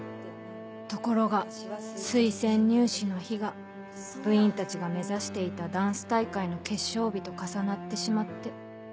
ところが推薦入試の日が部員たちが目指していたダンス大会の決勝日と重なってしまって。